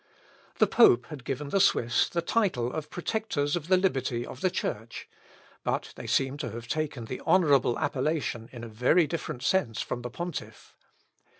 The pope had given the Swiss the title of Protectors of the Liberty of the Church; but they seem to have taken the honourable appellation in a very different sense from the pontiff.